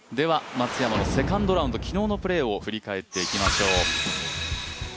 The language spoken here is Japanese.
松山のセカンドラウンド昨日のプレーを振り返っていきましょう。